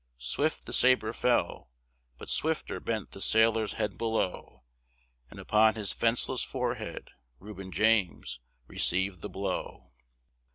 Swift the sabre fell, but swifter bent the sailor's head below, And upon his 'fenceless forehead Reuben James received the blow!